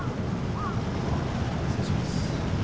失礼します。